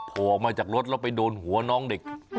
พอออกมาจากรถเราไปโดนหัวน้องเด็ก